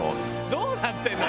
どうなってるの？